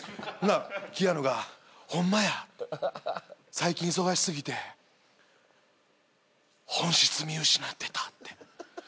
「最近忙し過ぎて本質見失ってた」って。